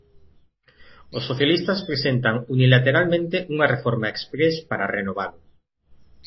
Os socialistas presentan unilateralmente unha reforma exprés para renovalo.